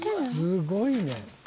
すごいね。